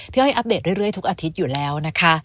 อ้อยอัปเดตเรื่อยทุกอาทิตย์อยู่แล้วนะคะ